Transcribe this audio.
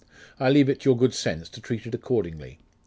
I leave it to your good sense to treat it accordingly.